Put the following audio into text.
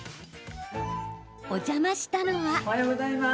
お邪魔したのは。